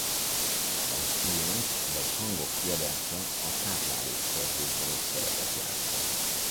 Az ének vagy hangok kiadása a táplálékszerzésben is szerepet játszhat.